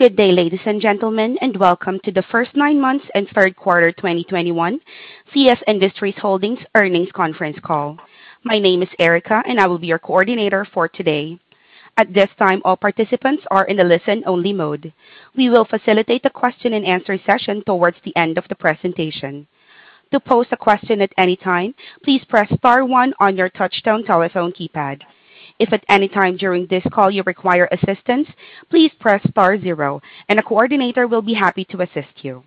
Good day, ladies and gentlemen, and welcome to the first nine months and third quarter 2021 CF Industries Holdings earnings conference call. My name is Erica, and I will be your coordinator for today. At this time, all participants are in a listen-only mode. We will facilitate a question-and-answer session towards the end of the presentation. To pose a question at any time, please press star one on your touchtone telephone keypad. If at any time during this call you require assistance, please press star zero, and a coordinator will be happy to assist you.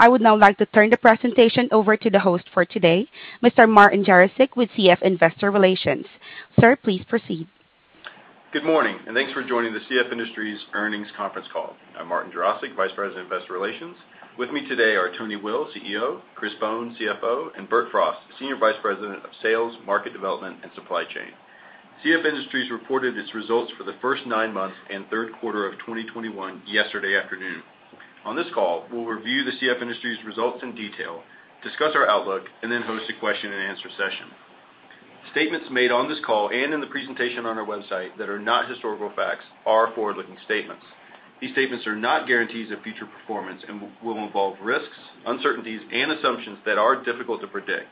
I would now like to turn the presentation over to the host for today, Mr. Martin Jarosick with CF Investor Relations. Sir, please proceed. Good morning, and thanks for joining the CF Industries earnings conference call. I'm Martin Jarosick, Vice President of Investor Relations. With me today are Tony Will, CEO, Chris Bohn, CFO, and Bert Frost, Senior Vice President of Sales, Market Development, and Supply Chain. CF Industries reported its results for the first nine months and third quarter of 2021 yesterday afternoon. On this call, we'll review the CF Industries results in detail, discuss our outlook, and then host a question-and-answer session. Statements made on this call and in the presentation on our website that are not historical facts are forward-looking statements. These statements are not guarantees of future performance and will involve risks, uncertainties, and assumptions that are difficult to predict.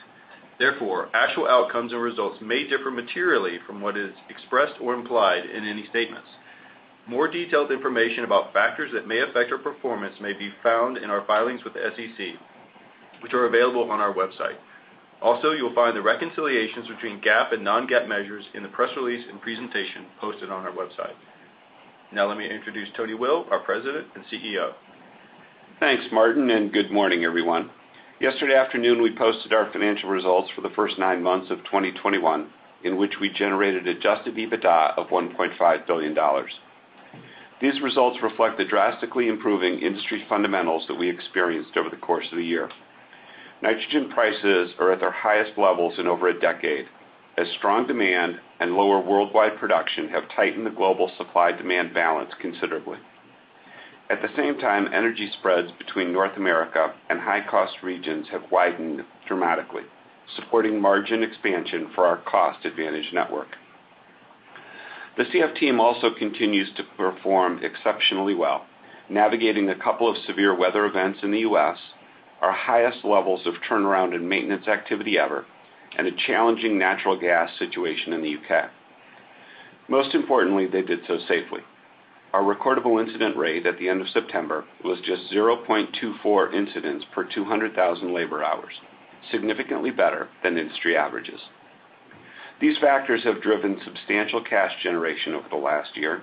Therefore, actual outcomes or results may differ materially from what is expressed or implied in any statements. More detailed information about factors that may affect our performance may be found in our filings with the SEC, which are available on our website. Also, you will find the reconciliations between GAAP and non-GAAP measures in the press release and presentation posted on our website. Now let me introduce Tony Will, our President and CEO. Thanks, Martin, and good morning, everyone. Yesterday afternoon, we posted our financial results for the first nine months of 2021, in which we generated adjusted EBITDA of $1.5 billion. These results reflect the drastically improving industry fundamentals that we experienced over the course of the year. Nitrogen prices are at their highest levels in over a decade, as strong demand and lower worldwide production have tightened the global supply-demand balance considerably. At the same time, energy spreads between North America and high-cost regions have widened dramatically, supporting margin expansion for our cost-advantaged network. The CF team also continues to perform exceptionally well, navigating a couple of severe weather events in the U.S., our highest levels of turnaround and maintenance activity ever, and a challenging natural gas situation in the U.K. Most importantly, they did so safely. Our recordable incident rate at the end of September was just 0.24 incidents per 200,000 labor hours, significantly better than industry averages. These factors have driven substantial cash generation over the last year.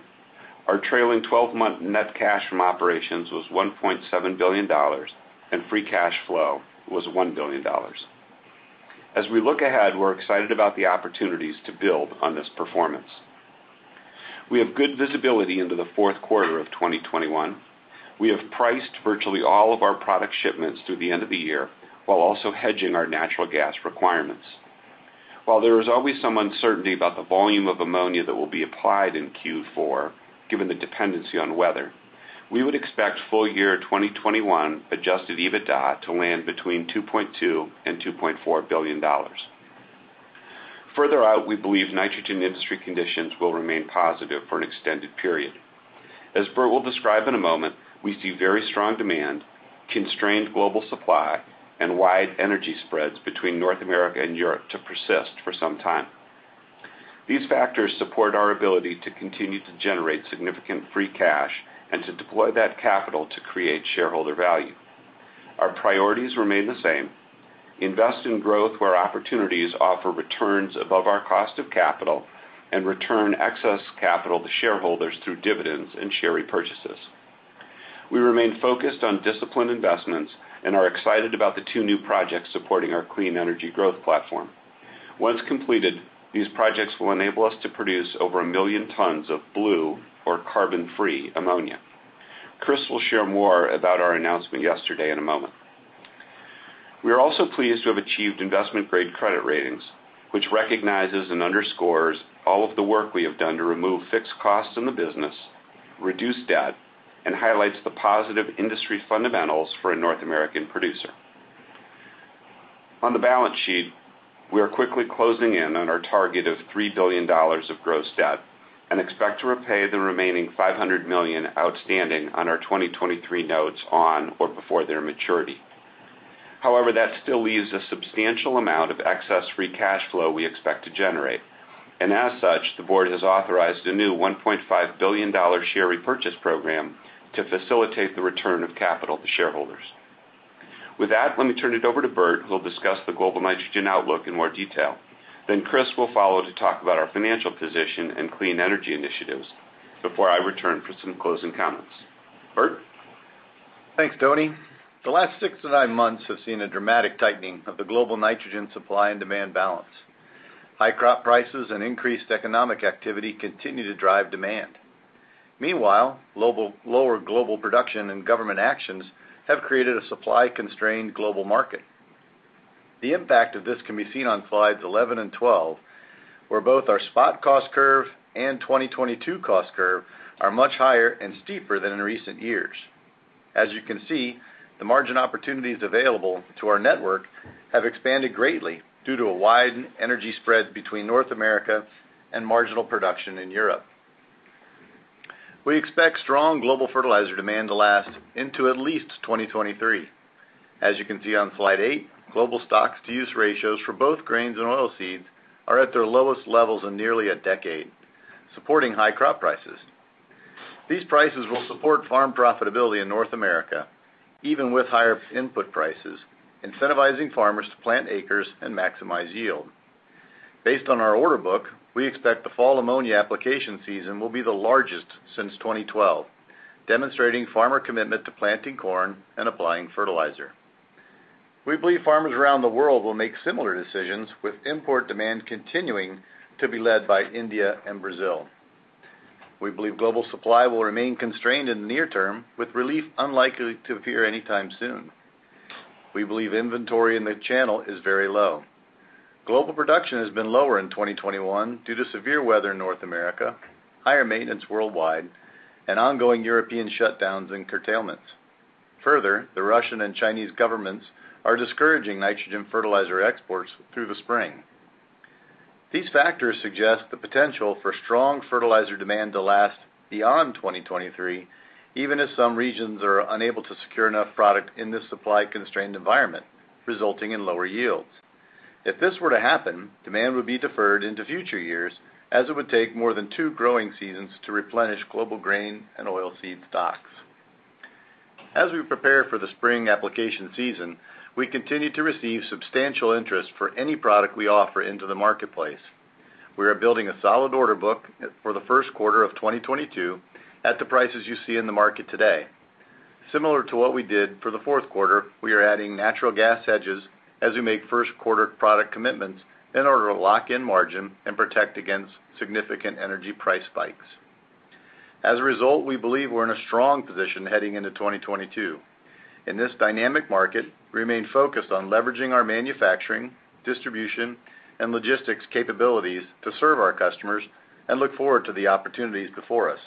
Our trailing 12-month net cash from operations was $1.7 billion, and free cash flow was $1 billion. As we look ahead, we're excited about the opportunities to build on this performance. We have good visibility into the fourth quarter of 2021. We have priced virtually all of our product shipments through the end of the year while also hedging our natural gas requirements. While there is always some uncertainty about the volume of ammonia that will be applied in Q4, given the dependency on weather, we would expect full year 2021 adjusted EBITDA to land between $2.2 billion and $2.4 billion. Further out, we believe nitrogen industry conditions will remain positive for an extended period. As Bert will describe in a moment, we see very strong demand, constrained global supply, and wide energy spreads between North America and Europe to persist for some time. These factors support our ability to continue to generate significant free cash and to deploy that capital to create shareholder value. Our priorities remain the same, invest in growth where opportunities offer returns above our cost of capital and return excess capital to shareholders through dividends and share repurchases. We remain focused on disciplined investments and are excited about the two new projects supporting our clean energy growth platform. Once completed, these projects will enable us to produce over a million tons of blue or carbon-free ammonia. Chris will share more about our announcement yesterday in a moment. We are also pleased to have achieved investment-grade credit ratings, which recognizes and underscores all of the work we have done to remove fixed costs in the business, reduce debt, and highlights the positive industry fundamentals for a North American producer. On the balance sheet, we are quickly closing in on our target of $3 billion of gross debt and expect to repay the remaining $500 million outstanding on our 2023 notes on or before their maturity. However, that still leaves a substantial amount of excess free cash flow we expect to generate. As such, the board has authorized a new $1.5 billion share repurchase program to facilitate the return of capital to shareholders. With that, let me turn it over to Bert, who will discuss the global nitrogen outlook in more detail. Chris will follow to talk about our financial position and clean energy initiatives before I return for some closing comments. Bert? Thanks, Tony. The last 6 months-9 months have seen a dramatic tightening of the global nitrogen supply and demand balance. High crop prices and increased economic activity continue to drive demand. Meanwhile, lower global production and government actions have created a supply-constrained global market. The impact of this can be seen on slides 11 and 12, where both our spot cost curve and 2022 cost curve are much higher and steeper than in recent years. As you can see, the margin opportunities available to our network have expanded greatly due to a wide energy spread between North America and marginal production in Europe. We expect strong global fertilizer demand to last into at least 2023. As you can see on slide eight, global stocks-to-use ratios for both grains and oilseeds are at their lowest levels in nearly a decade, supporting high crop prices. These prices will support farm profitability in North America, even with higher input prices, incentivizing farmers to plant acres and maximize yield. Based on our order book, we expect the fall ammonia application season will be the largest since 2012, demonstrating farmer commitment to planting corn and applying fertilizer. We believe farmers around the world will make similar decisions, with import demand continuing to be led by India and Brazil. We believe global supply will remain constrained in the near term, with relief unlikely to appear anytime soon. We believe inventory in the channel is very low. Global production has been lower in 2021 due to severe weather in North America, higher maintenance worldwide, and ongoing European shutdowns and curtailments. Further, the Russian and Chinese governments are discouraging nitrogen fertilizer exports through the spring. These factors suggest the potential for strong fertilizer demand to last beyond 2023, even as some regions are unable to secure enough product in this supply-constrained environment, resulting in lower yields. If this were to happen, demand would be deferred into future years as it would take more than two growing seasons to replenish global grain and oilseed stocks. As we prepare for the spring application season, we continue to receive substantial interest for any product we offer into the marketplace. We are building a solid order book for the first quarter of 2022 at the prices you see in the market today. Similar to what we did for the fourth quarter, we are adding natural gas hedges as we make first quarter product commitments in order to lock in margin and protect against significant energy price spikes. As a result, we believe we're in a strong position heading into 2022. In this dynamic market, we remain focused on leveraging our manufacturing, distribution, and logistics capabilities to serve our customers and look forward to the opportunities before us.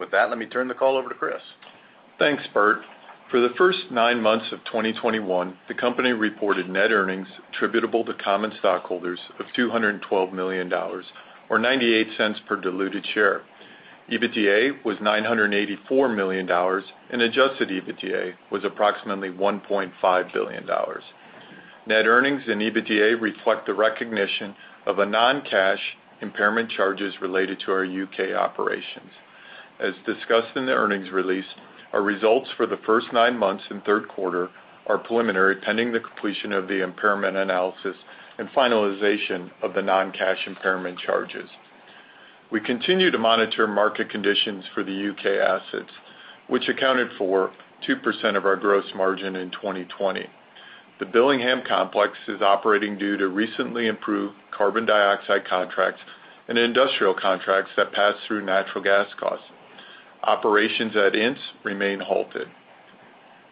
With that, let me turn the call over to Chris. Thanks, Bert. For the first 9 months of 2021, the company reported net earnings attributable to common stockholders of $212 million or $0.98 per diluted share. EBITDA was $984 million and adjusted EBITDA was approximately $1.5 billion. Net earnings and EBITDA reflect the recognition of non-cash impairment charges related to our U.K. operations. As discussed in the earnings release, our results for the first 9 months and third quarter are preliminary pending the completion of the impairment analysis and finalization of the non-cash impairment charges. We continue to monitor market conditions for the U.K. assets, which accounted for 2% of our gross margin in 2020. The Billingham complex is operating due to recently improved carbon dioxide contracts and industrial contracts that pass through natural gas costs. Operations at Ince remain halted.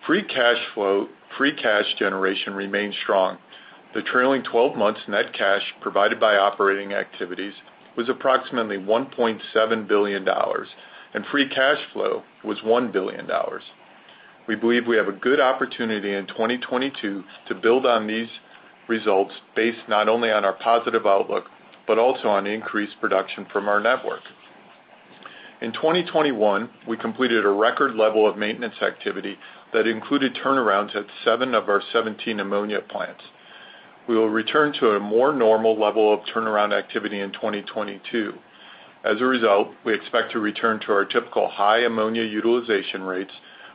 Free cash flow, free cash generation remains strong. The trailing 12 months net cash provided by operating activities was approximately $1.7 billion, and free cash flow was $1 billion. We believe we have a good opportunity in 2022 to build on these results based not only on our positive outlook, but also on increased production from our network. In 2021, we completed a record level of maintenance activity that included turnarounds at seven of our 17 ammonia plants. We will return to a more normal level of turnaround activity in 2022. As a result, we expect to return to our typical high ammonia utilization rates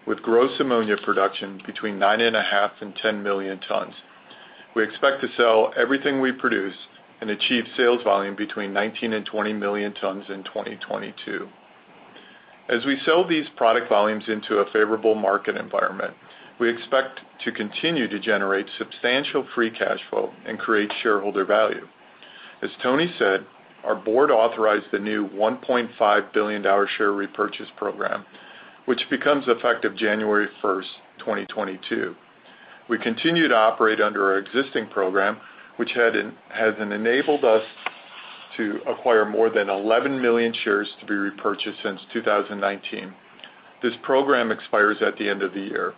with gross ammonia production between 9.5 millions and 10 million tons. We expect to sell everything we produce and achieve sales volume between 19 millions and 20 million tons in 2022. As we sell these product volumes into a favorable market environment, we expect to continue to generate substantial free cash flow and create shareholder value. As Tony said, our board authorized the new $1.5 billion share repurchase program, which becomes effective January 1st, 2022. We continue to operate under our existing program, which has enabled us to acquire more than 11 million shares to be repurchased since 2019. This program expires at the end of the year.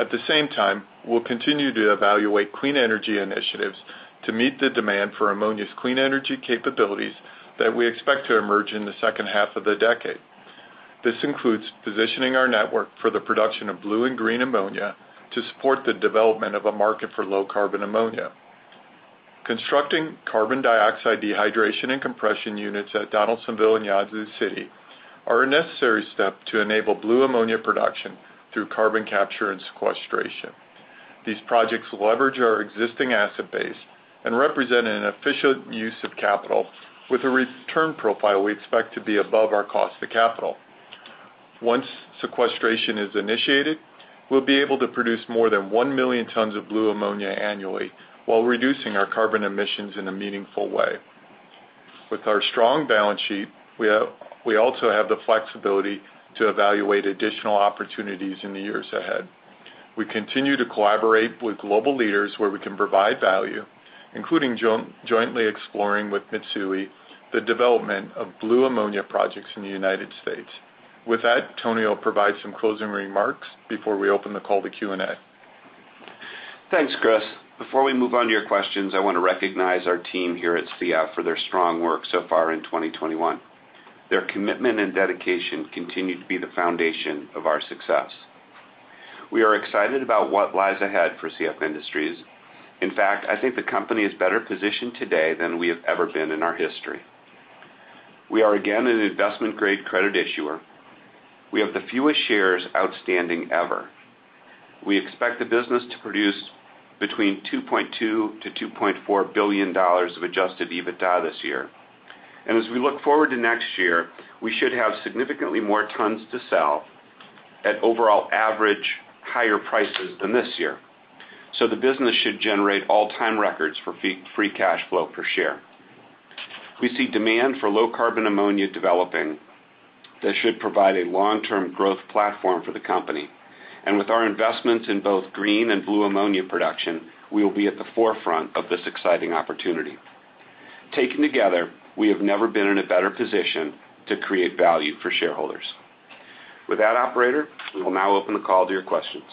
At the same time, we'll continue to evaluate clean energy initiatives to meet the demand for ammonia's clean energy capabilities that we expect to emerge in the second half of the decade. This includes positioning our network for the production of blue and green ammonia to support the development of a market for low carbon ammonia. Constructing carbon dioxide dehydration and compression units at Donaldsonville and Yazoo City are a necessary step to enable blue ammonia production through carbon capture and sequestration. These projects leverage our existing asset base and represent an efficient use of capital with a return profile we expect to be above our cost of capital. Once sequestration is initiated, we'll be able to produce more than 1 million tons of blue ammonia annually while reducing our carbon emissions in a meaningful way. With our strong balance sheet, we also have the flexibility to evaluate additional opportunities in the years ahead. We continue to collaborate with global leaders where we can provide value, including jointly exploring with Mitsui the development of blue ammonia projects in the United States. With that, Tony will provide some closing remarks before we open the call to Q&A. Thanks, Chris. Before we move on to your questions, I want to recognize our team here at CF for their strong work so far in 2021. Their commitment and dedication continue to be the foundation of our success. We are excited about what lies ahead for CF Industries. In fact, I think the company is better positioned today than we have ever been in our history. We are again an investment grade credit issuer. We have the fewest shares outstanding ever. We expect the business to produce between $2.2 billion-$2.4 billion of adjusted EBITDA this year. As we look forward to next year, we should have significantly more tons to sell at overall average higher prices than this year. The business should generate all-time records for free cash flow per share. We see demand for low carbon ammonia developing that should provide a long-term growth platform for the company. With our investments in both green and blue ammonia production, we will be at the forefront of this exciting opportunity. Taken together, we have never been in a better position to create value for shareholders. With that operator, we will now open the call to your questions.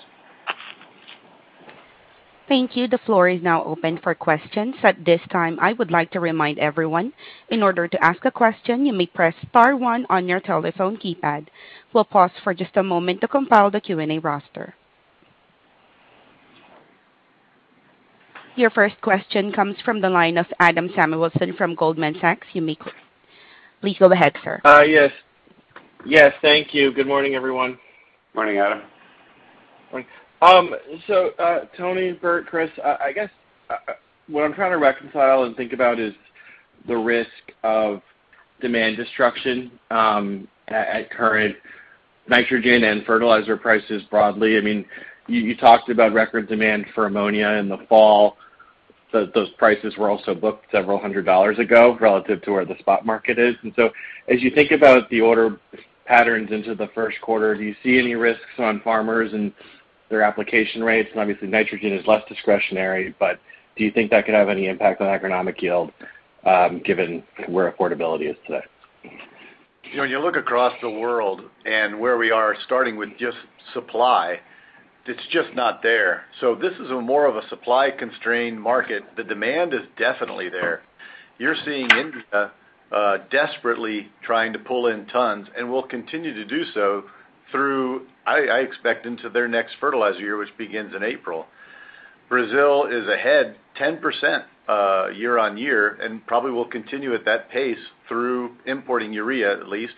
Thank you. The floor is now open for questions. At this time, I would like to remind everyone, in order to ask a question, you may press star one on your telephone keypad. We'll pause for just a moment to compile the Q&A roster. Your first question comes from the line of Adam Samuelson from Goldman Sachs. You may please go ahead, sir. Yes, thank you. Good morning, everyone. Morning, Adam. Morning. Tony Will, Bert Frost, Chris Bohn, I guess, what I'm trying to reconcile and think about is the risk of demand destruction at current nitrogen and fertilizer prices broadly. I mean, you talked about record demand for ammonia in the fall. Those prices were also booked several hundred dollars ago relative to where the spot market is. As you think about the order patterns into the first quarter, do you see any risks on farmers and their application rates? Obviously, nitrogen is less discretionary, but do you think that could have any impact on economic yield, given where affordability is today? You know, you look across the world and where we are starting with just supply, it's just not there. This is more of a supply-constrained market. The demand is definitely there. You're seeing India desperately trying to pull in tons and will continue to do so through, I expect, into their next fertilizer year, which begins in April. Brazil is ahead 10% year-on-year, and probably will continue at that pace through importing urea at least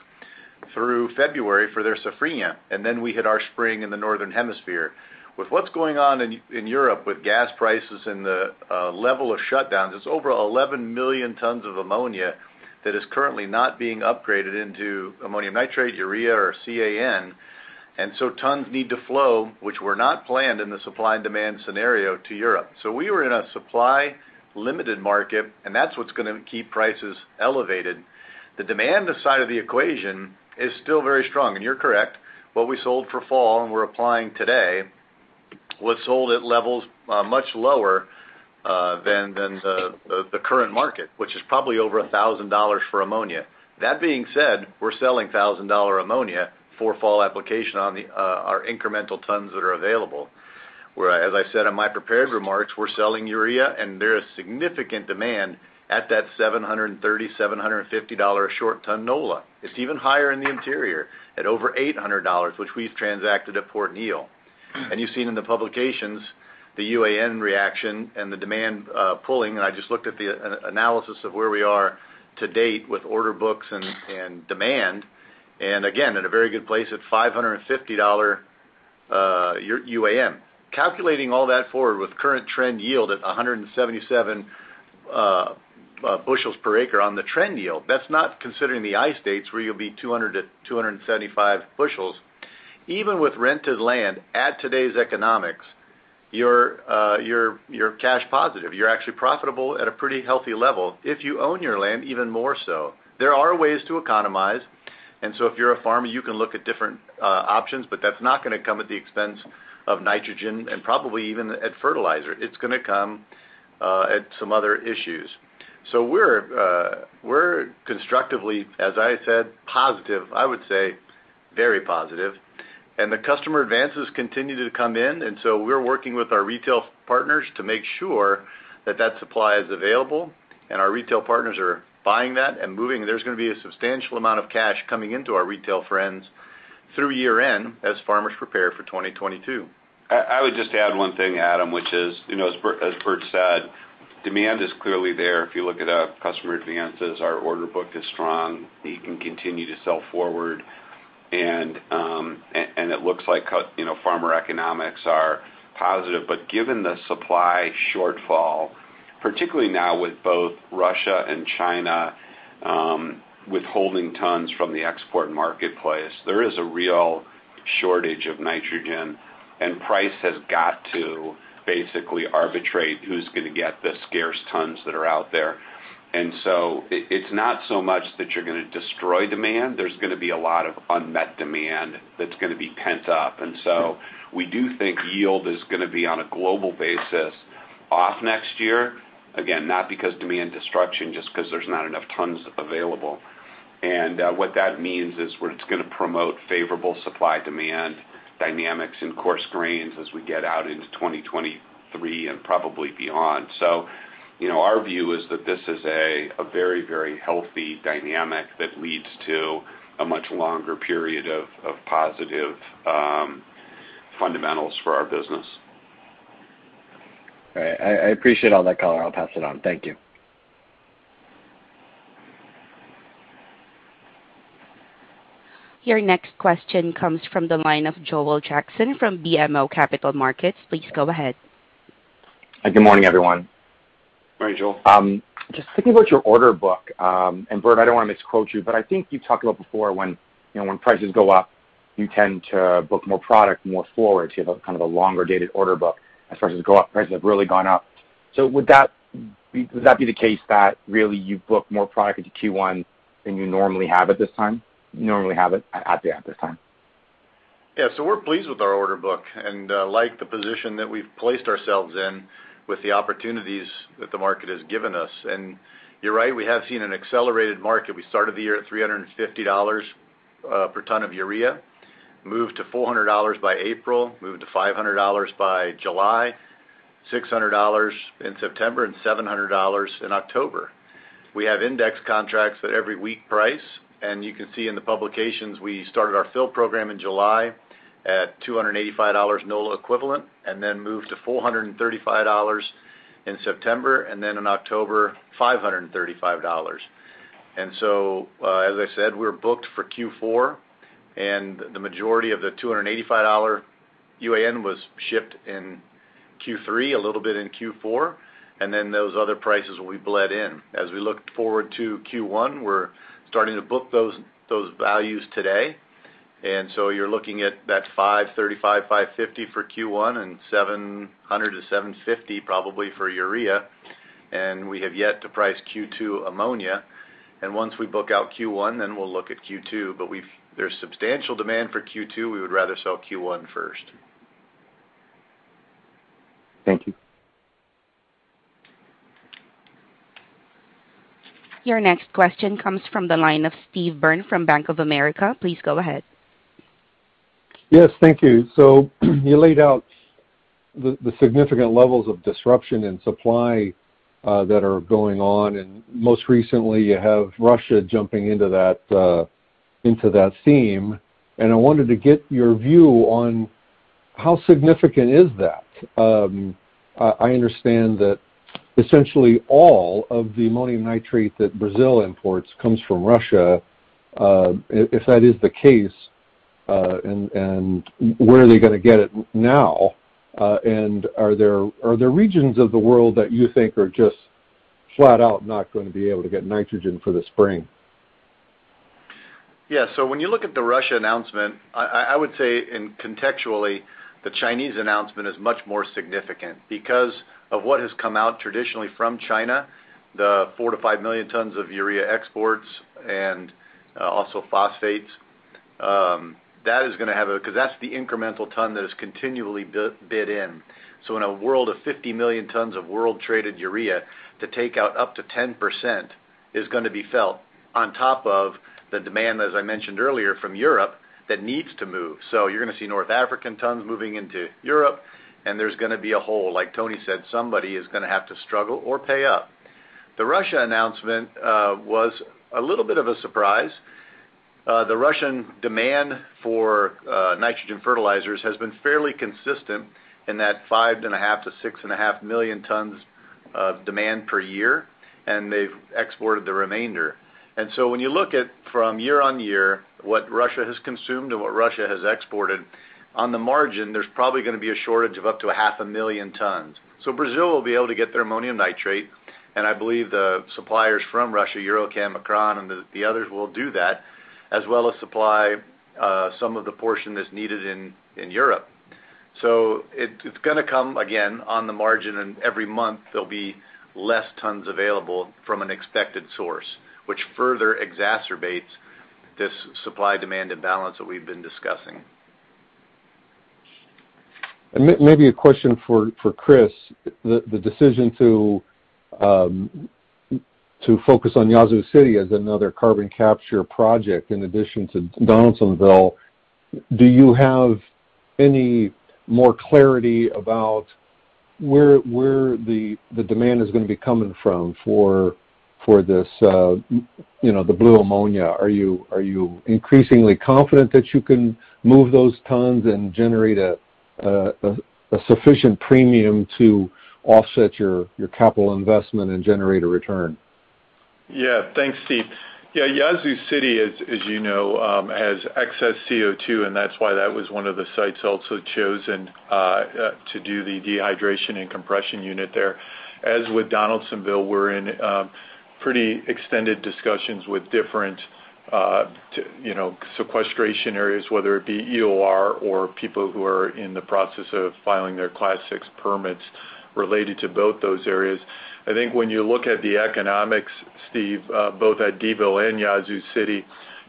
through February for their safrinha. We hit our spring in the northern hemisphere. With what's going on in Europe with gas prices and the level of shutdowns, it's over 11 million tons of ammonia that is currently not being upgraded into ammonium nitrate, urea or CAN. Tons need to flow, which were not planned in the supply and demand scenario to Europe. We were in a supply limited market, and that's what's gonna keep prices elevated. The demand side of the equation is still very strong. You're correct, what we sold for fall and we're applying today was sold at levels much lower than the current market, which is probably over $1,000 for ammonia. That being said, we're selling $1,000 ammonia for fall application on our incremental tons that are available. Whereas I said in my prepared remarks, we're selling urea and there is significant demand at that $730-$750 short ton NOLA. It's even higher in the interior at over $800, which we've transacted at Port Neal. You've seen in the publications the UAN reaction and the demand pulling. I just looked at the analysis of where we are to date with order books and demand. Again, at a very good place at $550 UAN. Calculating all that forward with current trend yield at 177 bushels per acre on the trend yield, that's not considering the I states where you'll be 200 bushels-275 bushels. Even with rented land at today's economics, you're cash positive. You're actually profitable at a pretty healthy level. If you own your land even more so. There are ways to economize. If you're a farmer, you can look at different options, but that's not gonna come at the expense of nitrogen and probably even at fertilizer. It's gonna come at some other issues. We're constructively, as I said, positive. I would say very positive. The customer advances continue to come in, and we're working with our retail partners to make sure that that supply is available and our retail partners are buying that and moving. There's gonna be a substantial amount of cash coming into our retail friends through year-end as farmers prepare for 2022. I would just add one thing, Adam, which is, you know, as Bert said, demand is clearly there. If you look at customer advances, our order book is strong. We can continue to sell forward. It looks like, you know, farmer economics are positive. But given the supply shortfall, particularly now with both Russia and China withholding tons from the export marketplace, there is a real shortage of nitrogen. Price has got to basically arbitrate who's gonna get the scarce tons that are out there. It's not so much that you're gonna destroy demand. There's gonna be a lot of unmet demand that's gonna be pent up. We do think yield is gonna be, on a global basis, off next year. Again, not because demand destruction, just because there's not enough tons available. What that means is where it's gonna promote favorable supply-demand dynamics in coarse grains as we get out into 2023 and probably beyond. You know, our view is that this is a very, very healthy dynamic that leads to a much longer period of positive fundamentals for our business. All right. I appreciate all that, Color. I'll pass it on. Thank you. Your next question comes from the line of Joel Jackson from BMO Capital Markets. Please go ahead. Good morning, everyone. Morning, Joel. Just thinking about your order book, and Bert, I don't wanna misquote you, but I think you talked about before when, you know, when prices go up, you tend to book more product more forward. You have a kind of a longer dated order book as prices go up. Prices have really gone up. Would that be the case that really you book more product into Q1 than you normally have at this time? Yeah. We're pleased with our order book, and like the position that we've placed ourselves in with the opportunities that the market has given us. You're right, we have seen an accelerated market. We started the year at $350 per ton of urea, moved to $400 by April, moved to $500 by July, $600 in September, and $700 in October. We have index contracts at every week price, and you can see in the publications, we started our fill program in July at $285 NOLA equivalent, and then moved to $435 in September, and then in October, $535. As I said, we're booked for Q4, and the majority of the $285 UAN was shipped in Q3, a little bit in Q4, and then those other prices will be bled in. As we look forward to Q1, we're starting to book those values today. You're looking at that $535-$550 for Q1 and $700-$750 probably for urea. We have yet to price Q2 ammonia. Once we book out Q1, then we'll look at Q2. But there's substantial demand for Q2, we would rather sell Q1 first. Thank you. Your next question comes from the line of Steve Byrne from Bank of America. Please go ahead. Yes, thank you. You laid out the significant levels of disruption in supply that are going on, and most recently, you have Russia jumping into that theme. I wanted to get your view on how significant is that. I understand that essentially all of the ammonium nitrate that Brazil imports comes from Russia. If that is the case, and where are they gonna get it now? Are there regions of the world that you think are just flat out not gonna be able to get nitrogen for the spring? Yeah. When you look at the Russia announcement, I would say in context, the Chinese announcement is much more significant. Because of what has come out traditionally from China, the 4-5 million tons of urea exports and also phosphates, that is gonna have, because that's the incremental ton that is continually bid in. In a world of 50 million tons of world traded urea, to take out up to 10% is gonna be felt on top of the demand, as I mentioned earlier, from Europe that needs to move. You're gonna see North African tons moving into Europe, and there's gonna be a hole. Like Tony said, somebody is gonna have to struggle or pay up. The Russia announcement was a little bit of a surprise. The Russian demand for nitrogen fertilizers has been fairly consistent in that 5.5 million-6.5 million tons of demand per year, and they've exported the remainder. When you look at year-on-year, what Russia has consumed and what Russia has exported, on the margin, there's probably gonna be a shortage of up to 0.5 million tons. Brazil will be able to get their ammonium nitrate, and I believe the suppliers from Russia, EuroChem, Acron, and the others will do that, as well as supply some of the portion that's needed in Europe. It's gonna come, again, on the margin, and every month there'll be less tons available from an expected source, which further exacerbates this supply-demand imbalance that we've been discussing. Maybe a question for Chris. The decision to focus on Yazoo City as another carbon capture project in addition to Donaldsonville, do you have any more clarity about where the demand is gonna be coming from for this, you know, the blue ammonia? Are you increasingly confident that you can move those tons and generate a sufficient premium to offset your capital investment and generate a return? Yeah. Thanks, Steve. Yeah, Yazoo City, as you know, has excess CO2, and that's why that was one of the sites also chosen to do the dehydration and compression unit there. As with Donaldsonville, we're in pretty extended discussions with different To sequestration areas, whether it be EOR or people who are in the process of filing their Class VI permits related to both those areas. I think when you look at the economics, Steve, both at Donaldsonville and Yazoo City,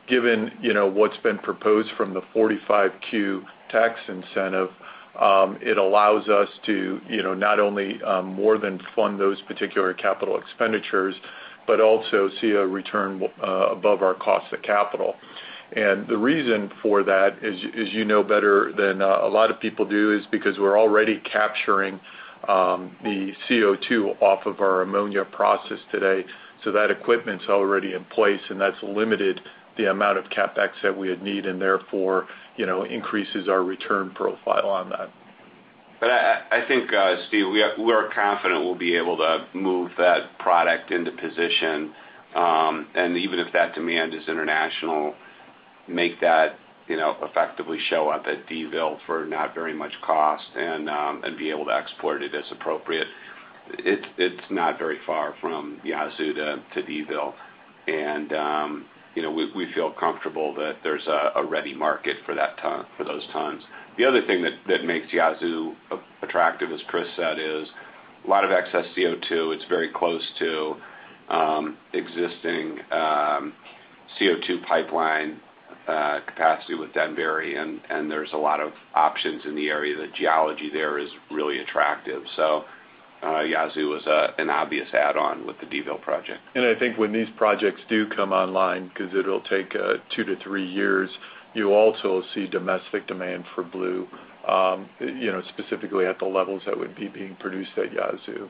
given, you know, what's been proposed from the 45Q tax incentive, it allows us to, you know, not only more than fund those particular capital expenditures, but also see a return above our cost of capital. The reason for that is, as you know better than a lot of people do, is because we're already capturing the CO2 off of our ammonia process today. So that equipment's already in place, and that's limited the amount of CapEx that we would need, and therefore, you know, increases our return profile on that. I think, Steve, we are confident we'll be able to move that product into position, and even if that demand is international, make that, you know, effectively show up at Donaldsonville for not very much cost, and be able to export it as appropriate. It's not very far from Yazoo to Donaldsonville. You know, we feel comfortable that there's a ready market for those tons. The other thing that makes Yazoo attractive, as Chris said, is a lot of excess CO2. It's very close to existing CO2 pipeline capacity with Denbury, and there's a lot of options in the area. The geology there is really attractive. Yazoo is an obvious add-on with the Donaldsonville project. I think when these projects do come online, 'cause it'll take 2-3 years, you also see domestic demand for blue, you know, specifically at the levels that would be being produced at Yazoo.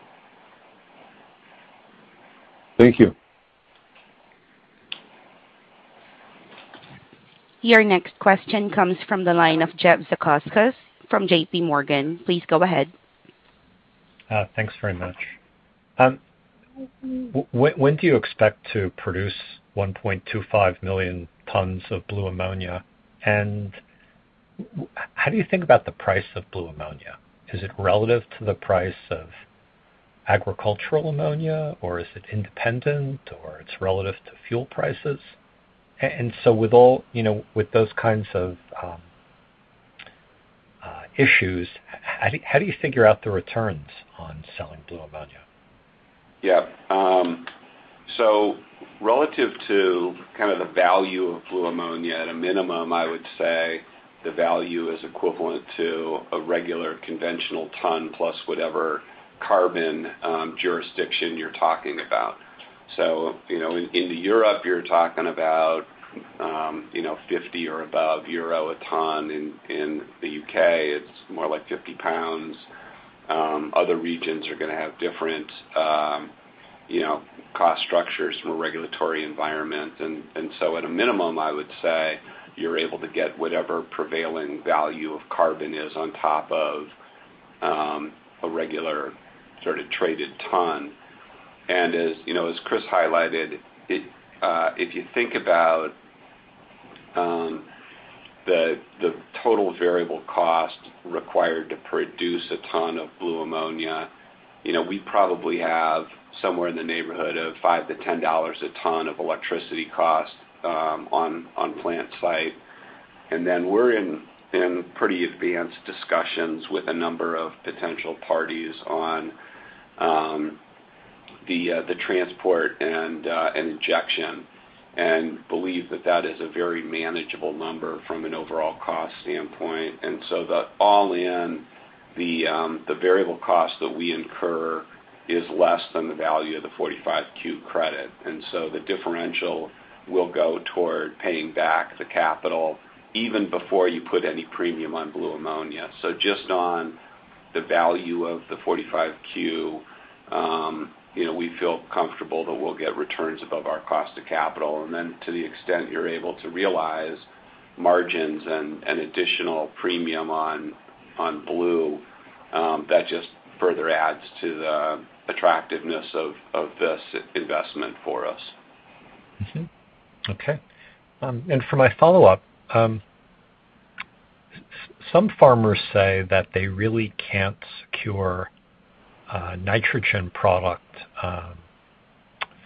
Thank you. Your next question comes from the line of Jeff Zekauskas from JPMorgan. Please go ahead. Thanks very much. When do you expect to produce 1.25 million tons of blue ammonia? And how do you think about the price of blue ammonia? Is it relative to the price of agricultural ammonia, or is it independent, or it's relative to fuel prices? With all, you know, with those kinds of issues, how do you figure out the returns on selling blue ammonia? Yeah. Relative to kind of the value of blue ammonia, at a minimum, I would say the value is equivalent to a regular conventional ton, plus whatever carbon jurisdiction you're talking about. You know, in Europe, you're talking about you know, 50 or above a ton. In the U.K., it's more like 50 pounds. Other regions are gonna have different you know, cost structures from a regulatory environment. At a minimum, I would say you're able to get whatever prevailing value of carbon is on top of a regular sort of traded ton. As you know, as Chris highlighted, if you think about the total variable cost required to produce a ton of blue ammonia, you know, we probably have somewhere in the neighborhood of $5-$10 a ton of electricity cost on plant site. Then we're in pretty advanced discussions with a number of potential parties on the transport and injection, and believe that that is a very manageable number from an overall cost standpoint. The all-in variable cost that we incur is less than the value of the 45Q credit. The differential will go toward paying back the capital even before you put any premium on blue ammonia. Just on the value of the 45Q, you know, we feel comfortable that we'll get returns above our cost of capital. Then to the extent you're able to realize margins and additional premium on blue, that just further adds to the attractiveness of this investment for us. For my follow-up, some farmers say that they really can't secure nitrogen product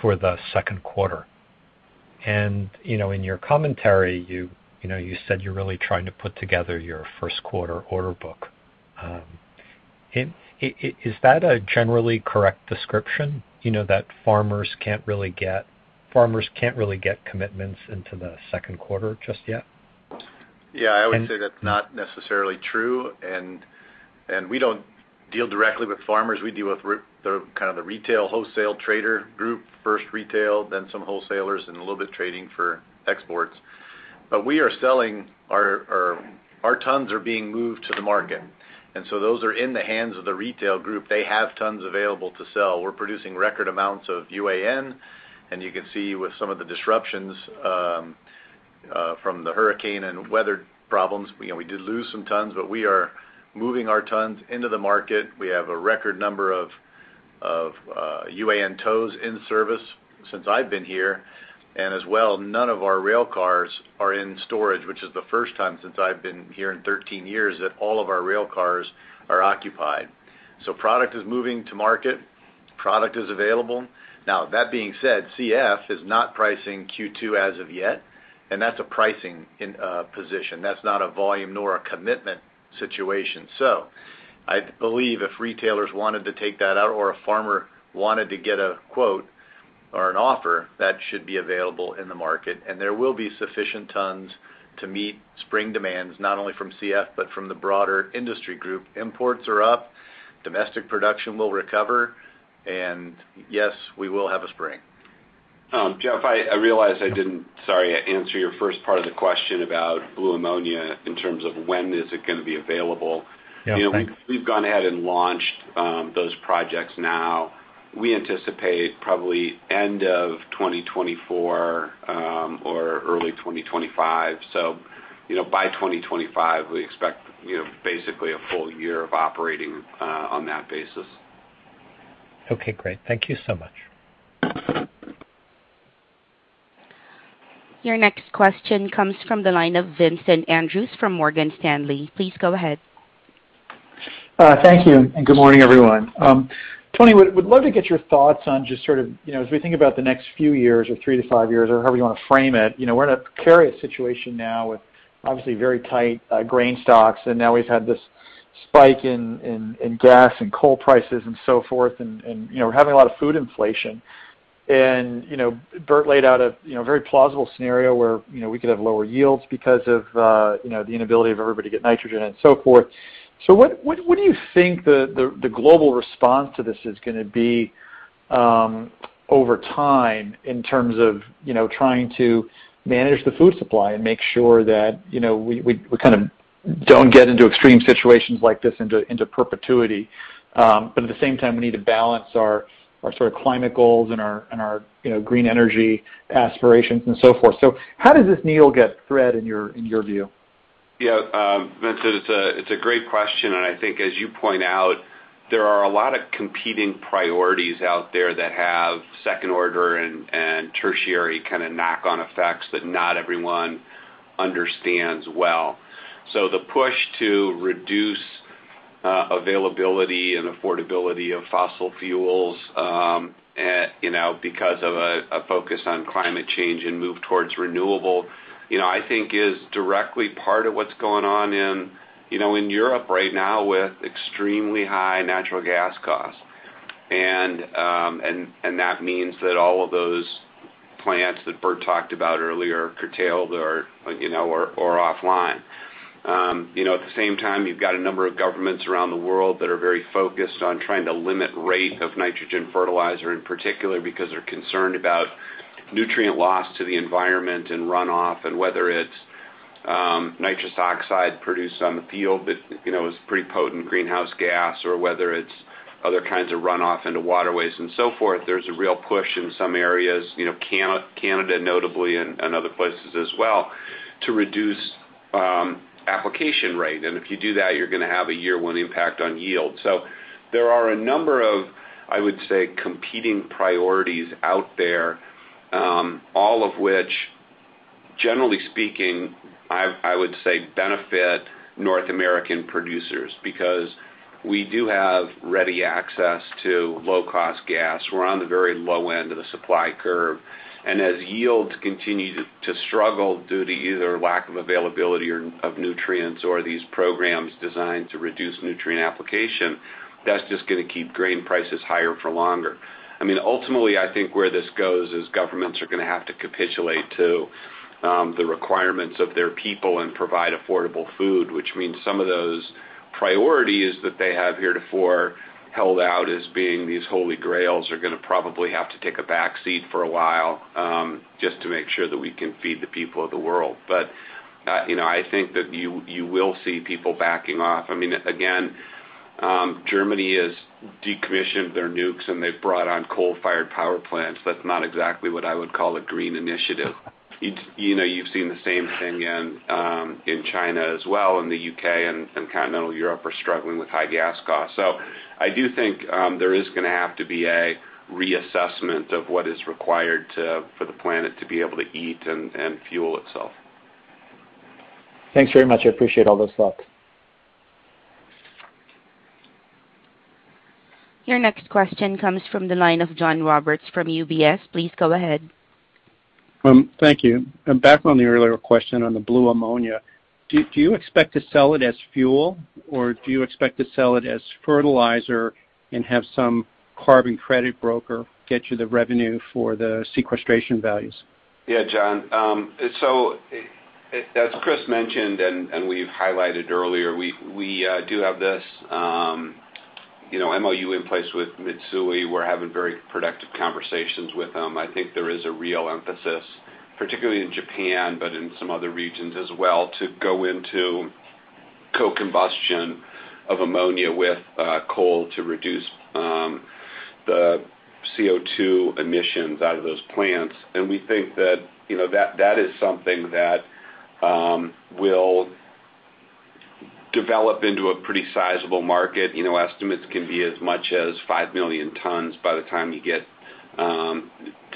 for the second quarter. You know, in your commentary, you know, you said you're really trying to put together your first quarter order book. Is that a generally correct description, you know, that farmers can't really get commitments into the second quarter just yet? Yeah. I would say that's not necessarily true. We don't deal directly with farmers. We deal with the kind of the retail wholesale trader group. First retail, then some wholesalers, and a little bit of trading for exports. We are selling our tons are being moved to the market. Those are in the hands of the retail group. They have tons available to sell. We're producing record amounts of UAN, and you can see with some of the disruptions from the hurricane and weather problems, you know, we did lose some tons, but we are moving our tons into the market. We have a record number of UAN loads in service since I've been here. As well, none of our rail cars are in storage, which is the first time since I've been here in 13 years that all of our rail cars are occupied. Product is moving to market. Product is available. Now that being said, CF is not pricing Q2 as of yet, and that's a pricing in position. That's not a volume nor a commitment situation. I believe if retailers wanted to take that out or a farmer wanted to get a quote or an offer that should be available in the market, and there will be sufficient tons to meet spring demands, not only from CF, but from the broader industry group. Imports are up. Domestic production will recover. We will have a spring. Jeff, I realize I didn't, sorry, answer your first part of the question about blue ammonia in terms of when is it gonna be available. Yeah, thanks. You know, we've gone ahead and launched those projects now. We anticipate probably end of 2024 or early 2025. You know, by 2025, we expect, you know, basically a full year of operating on that basis. Okay, great. Thank you so much. Your next question comes from the line of Vincent Andrews from Morgan Stanley. Please go ahead. Thank you and good morning, everyone. Tony, would love to get your thoughts on just sort of, you know, as we think about the next few years, or 3-5 years, or however you wanna frame it, you know, we're in a precarious situation now with obviously very tight grain stocks, and now we've had this spike in gas and coal prices and so forth. You know, we're having a lot of food inflation. You know, Bert laid out a, you know, very plausible scenario where, you know, we could have lower yields because of, you know, the inability of everybody to get nitrogen and so forth. What do you think the global response to this is gonna be over time in terms of you know trying to manage the food supply and make sure that you know we kind of don't get into extreme situations like this into perpetuity. But at the same time we need to balance our sort of climate goals and our you know green energy aspirations and so forth. How does this needle get threaded in your view? Yeah. Vincent, it's a great question. I think as you point out, there are a lot of competing priorities out there that have second order and tertiary kind of knock on effects that not everyone understands well. The push to reduce availability and affordability of fossil fuels, you know, because of a focus on climate change and move towards renewable, you know, I think is directly part of what's going on in Europe right now with extremely high natural gas costs. That means that all of those plants that Bert talked about earlier curtailed or offline. You know, at the same time, you've got a number of governments around the world that are very focused on trying to limit rate of nitrogen fertilizer in particular because they're concerned about nutrient loss to the environment and runoff. Whether it's nitrous oxide produced on the field that, you know, is pretty potent greenhouse gas or whether it's other kinds of runoff into waterways and so forth. There's a real push in some areas, you know, Canada notably and other places as well to reduce application rate. If you do that, you're gonna have a year one impact on yield. There are a number of, I would say, competing priorities out there, all of which generally speaking, I would say benefit North American producers because we do have ready access to low cost gas. We're on the very low end of the supply curve. As yields continue to struggle due to either lack of availability of nutrients or these programs designed to reduce nutrient application, that's just gonna keep grain prices higher for longer. I mean, ultimately, I think where this goes is governments are gonna have to capitulate to the requirements of their people and provide affordable food, which means some of those priorities that they have heretofore held out as being these holy grails are gonna probably have to take a back seat for a while, just to make sure that we can feed the people of the world. You know, I think that you will see people backing off. I mean, again, Germany has decommissioned their nukes, and they've brought on coal-fired power plants. That's not exactly what I would call a green initiative. You know, you've seen the same thing in China as well, and the U.K. and continental Europe are struggling with high gas costs. I do think there is gonna have to be a reassessment of what is required for the planet to be able to eat and fuel itself. Thanks very much. I appreciate all those thoughts. Your next question comes from the line of John Roberts from UBS. Please go ahead. Thank you. Back on the earlier question on the blue ammonia. Do you expect to sell it as fuel, or do you expect to sell it as fertilizer and have some carbon credit broker get you the revenue for the sequestration values? Yeah, John. As Chris mentioned and we've highlighted earlier, we do have this, you know, MOU in place with Mitsui. We're having very productive conversations with them. I think there is a real emphasis, particularly in Japan, but in some other regions as well, to go into co-combustion of ammonia with coal to reduce the CO2 emissions out of those plants. We think that, you know, that is something that will develop into a pretty sizable market. You know, estimates can be as much as 5 million tons by the time you get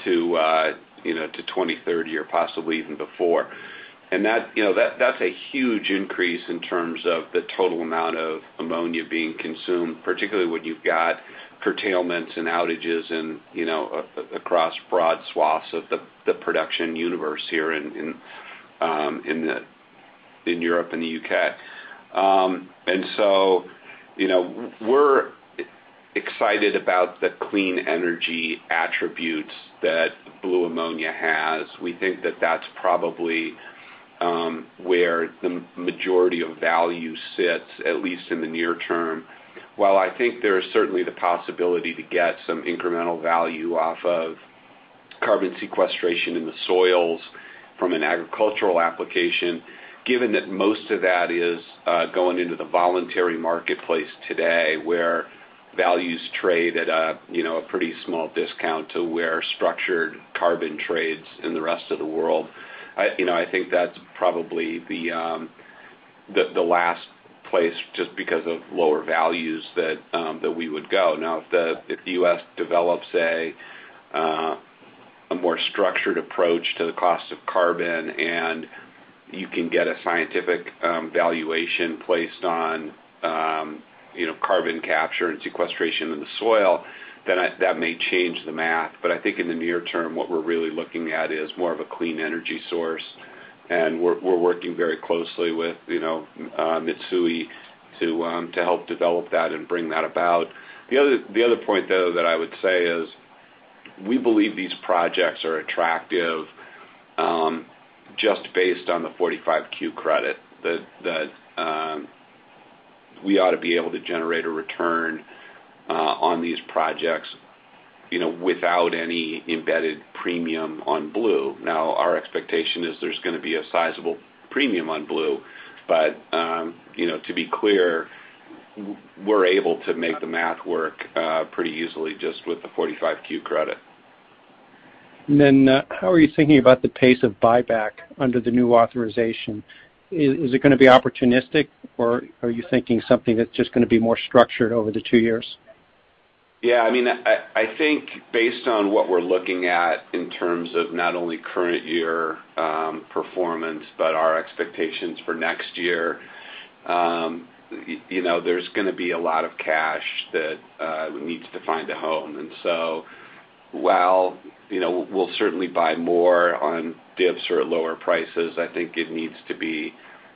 to 2030 or possibly even before. That, you know, that's a huge increase in terms of the total amount of ammonia being consumed, particularly when you've got curtailments and outages and, you know, across broad swaths of the production universe here in Europe and the U.K. We're excited about the clean energy attributes that blue ammonia has. We think that that's probably where the majority of value sits, at least in the near term. While I think there is certainly the possibility to get some incremental value off of carbon sequestration in the soils from an agricultural application, given that most of that is going into the voluntary marketplace today where values trade at a pretty small discount to where structured carbon trades in the rest of the world. You know, I think that's probably the last place just because of lower values that we would go. Now, if the U.S. develops a more structured approach to the cost of carbon and you can get a scientific valuation placed on, you know, carbon capture and sequestration in the soil, then that may change the math. But I think in the near term, what we're really looking at is more of a clean energy source, and we're working very closely with, you know, Mitsui to help develop that and bring that about. The other point, though, that I would say is we believe these projects are attractive just based on the 45Q credit. That we ought to be able to generate a return on these projects, you know, without any embedded premium on blue. Now, our expectation is there's gonna be a sizable premium on blue. You know, to be clear, we're able to make the math work pretty easily just with the 45Q credit. How are you thinking about the pace of buyback under the new authorization? Is it gonna be opportunistic or are you thinking something that's just gonna be more structured over the two years? Yeah, I mean, I think based on what we're looking at in terms of not only current year performance, but our expectations for next year, you know, there's gonna be a lot of cash that needs to find a home. While, you know, we'll certainly buy more on dips or at lower prices, I think it needs to be,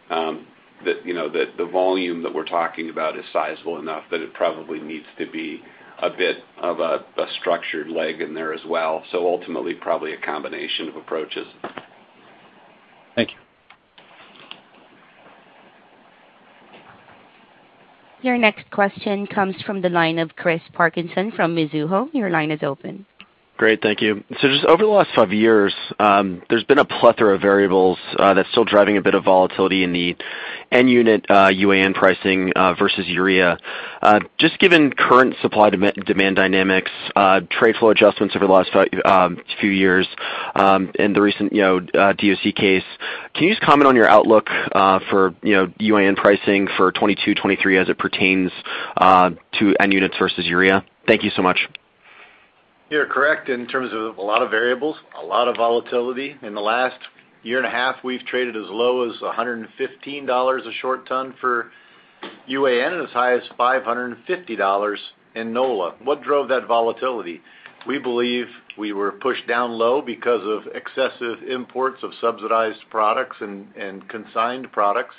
you know, the volume that we're talking about is sizable enough that it probably needs to be a bit of a structured leg in there as well. Ultimately, probably a combination of approaches. Thank you. Your next question comes from the line of Chris Parkinson from Mizuho. Your line is open. Great. Thank you. Just over the last five years, there's been a plethora of variables that's still driving a bit of volatility in the N unit, UAN pricing, versus urea. Just given current supply demand dynamics, trade flow adjustments over the last few years, and the recent, you know, DOC case, can you just comment on your outlook, for, you know, UAN pricing for 2022, 2023 as it pertains, to N units versus urea? Thank you so much. You're correct in terms of a lot of variables, a lot of volatility. In the last year and a half, we've traded as low as $115 a short ton for UAN and as high as $550 in NOLA. What drove that volatility? We believe we were pushed down low because of excessive imports of subsidized products and consigned products.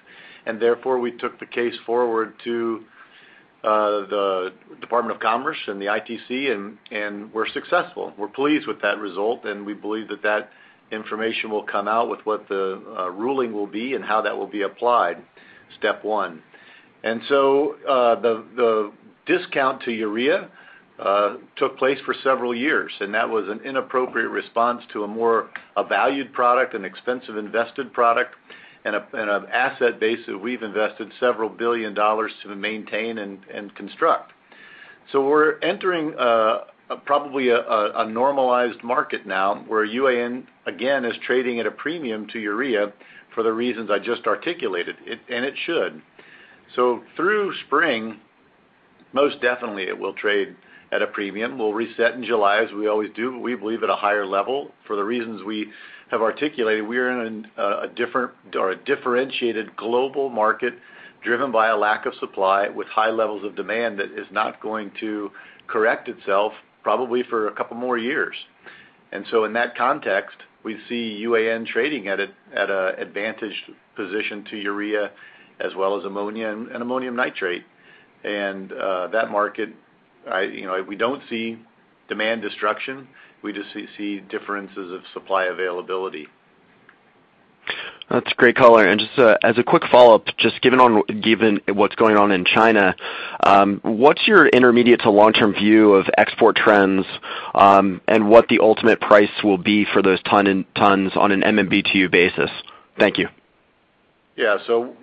Therefore, we took the case forward to the Department of Commerce and the ITC, and we're successful. We're pleased with that result, and we believe that information will come out with what the ruling will be and how that will be applied, step one. The discount to urea took place for several years, and that was an inappropriate response to a more valued product, an expensive invested product and an asset base that we've invested $several billion to maintain and construct. We're entering probably a normalized market now where UAN, again, is trading at a premium to urea for the reasons I just articulated it, and it should. Through spring, most definitely it will trade at a premium. We'll reset in July as we always do. We believe at a higher level for the reasons we have articulated. We are in a different or a differentiated global market driven by a lack of supply with high levels of demand that is not going to correct itself probably for a couple more years. In that context, we see UAN trading at a advantaged position to urea as well as ammonia and ammonium nitrate. That market, you know, we don't see demand destruction. We just see differences of supply availability. That's a great color. Just, as a quick follow-up, just given what's going on in China, what's your intermediate to long-term view of export trends, and what the ultimate price will be for those ton and tons on an MMBtu basis? Thank you. Yeah.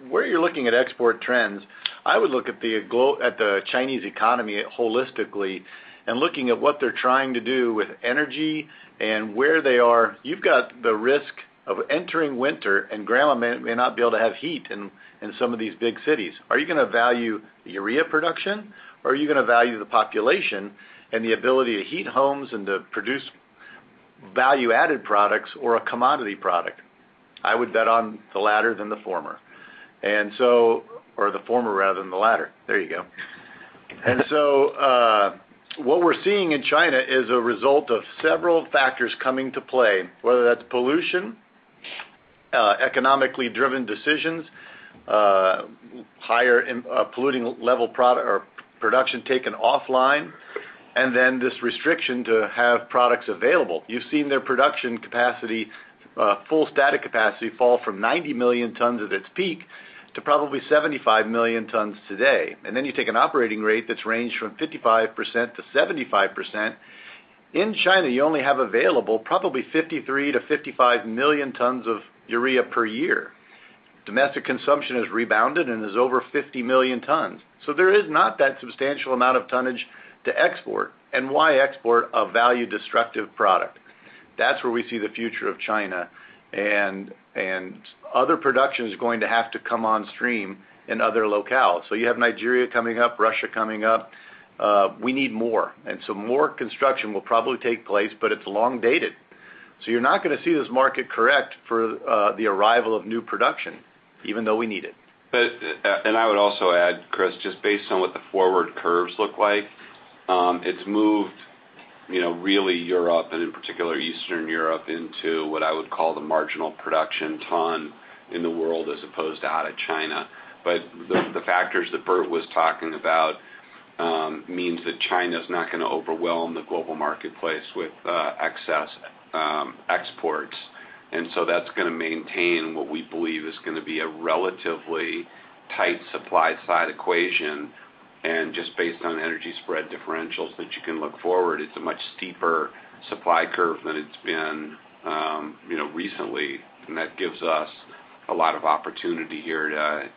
Where you're looking at export trends, I would look at the Chinese economy holistically and looking at what they're trying to do with energy and where they are. You've got the risk of entering winter and grandma may not be able to have heat in some of these big cities. Are you gonna value the urea production or are you gonna value the population and the ability to heat homes and to produce value-added products or a commodity product. I would bet on the latter than the former. Or the former rather than the latter. There you go. What we're seeing in China is a result of several factors coming to play, whether that's pollution, economically driven decisions, higher polluting level production taken offline, and then this restriction to have products available. You've seen their production capacity, fullest capacity fall from 90 million tons at its peak to probably 75 million tons today. You take an operating rate that's ranged from 55% to 75%. In China, you only have available probably 53 million-55 million tons of urea per year. Domestic consumption has rebounded and is over 50 million tons. There is not that substantial amount of tonnage to export. Why export a value-destructive product? That's where we see the future of China and other production is going to have to come on stream in other locales. You have Nigeria coming up, Russia coming up. We need more, and so more construction will probably take place, but it's long dated. You're not gonna see this market correct for the arrival of new production, even though we need it. I would also add, Chris, just based on what the forward curves look like, it's moved, you know, really Europe, and in particular Eastern Europe, into what I would call the marginal production ton in the world as opposed to out of China. The factors that Bert was talking about means that China's not gonna overwhelm the global marketplace with excess exports. That's gonna maintain what we believe is gonna be a relatively tight supply side equation. Just based on energy spread differentials that you can look forward, it's a much steeper supply curve than it's been, you know, recently. That gives us a lot of opportunity here to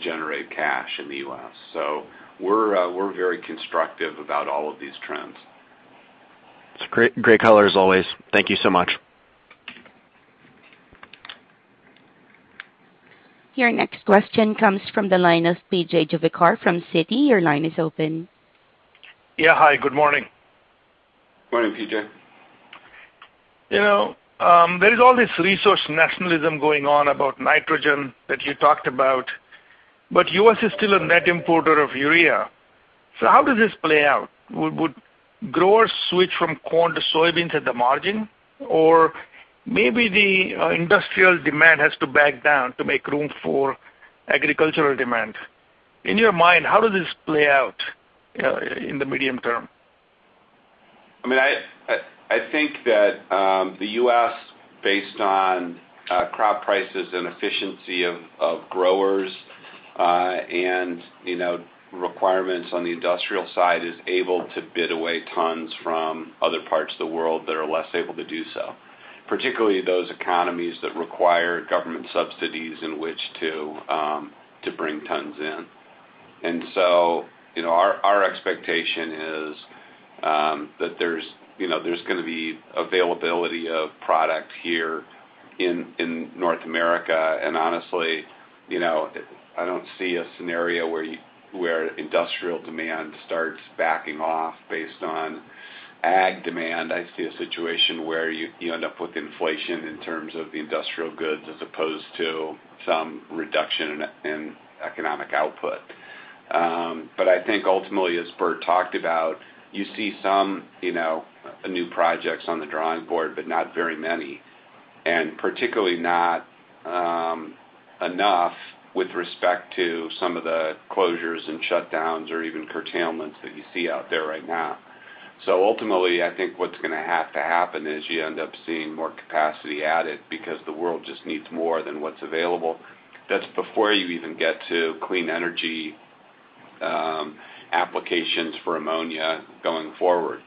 generate cash in the U.S. We're very constructive about all of these trends. It's great color as always. Thank you so much. Your next question comes from the line of P.J. Juvekar from Citi. Your line is open. Yeah. Hi, good morning. Morning, P.J. You know, there's all this resource nationalism going on about nitrogen that you talked about, but U.S. is still a net importer of urea. How does this play out? Would growers switch from corn to soybeans at the margin? Or maybe the industrial demand has to back down to make room for agricultural demand. In your mind, how does this play out in the medium term? I mean, I think that the U.S., based on crop prices and efficiency of growers and, you know, requirements on the industrial side, is able to bid away tons from other parts of the world that are less able to do so. Particularly those economies that require government subsidies in which to bring tons in. Our expectation is that there's, you know, there's gonna be availability of product here in North America. Honestly, you know, I don't see a scenario where industrial demand starts backing off based on ag demand. I see a situation where you end up with inflation in terms of the industrial goods as opposed to some reduction in economic output. I think ultimately, as Bert talked about, you see some, you know, new projects on the drawing board, but not very many, and particularly not enough with respect to some of the closures and shutdowns or even curtailments that you see out there right now. I think what's gonna have to happen is you end up seeing more capacity added because the world just needs more than what's available. That's before you even get to clean energy applications for ammonia going forward.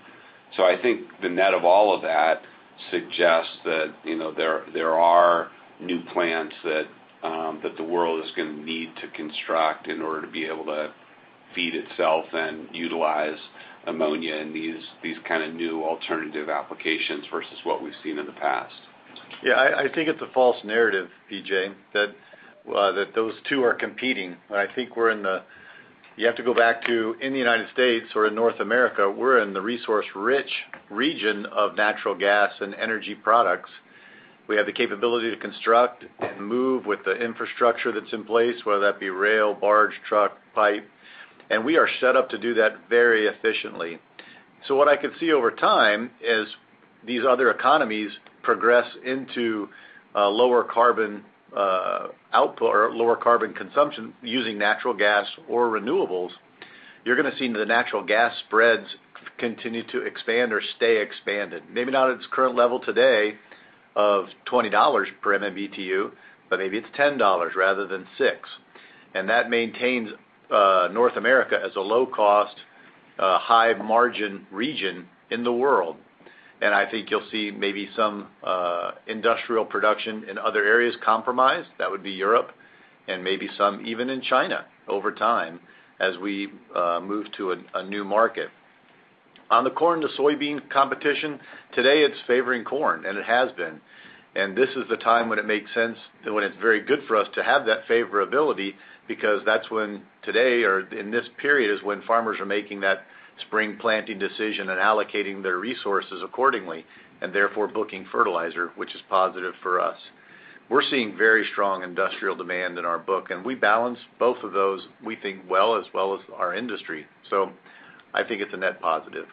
I think the net of all of that suggests that, you know, there are new plants that the world is gonna need to construct in order to be able to feed itself and utilize ammonia in these kinda new alternative applications versus what we've seen in the past. Yeah. I think it's a false narrative, P.J., that those two are competing. You have to go back to, in the United States or in North America, we're in the resource-rich region of natural gas and energy products. We have the capability to construct and move with the infrastructure that's in place, whether that be rail, barge, truck, pipe, and we are set up to do that very efficiently. What I could see over time is these other economies progress into lower carbon output or lower carbon consumption using natural gas or renewables. You're gonna see the natural gas spreads continue to expand or stay expanded. Maybe not at its current level today of $20 per MMBtu, but maybe it's $10 rather than $6. That maintains North America as a low cost, high margin region in the world. I think you'll see maybe some industrial production in other areas compromised. That would be Europe and maybe some even in China over time as we move to a new market. On the corn to soybean competition, today it's favoring corn, and it has been. This is the time when it makes sense, when it's very good for us to have that favorability because that's when today or in this period is when farmers are making that spring planting decision and allocating their resources accordingly and therefore booking fertilizer, which is positive for us. We're seeing very strong industrial demand in our book, and we balance both of those, we think well as well as our industry. I think it's a net positive.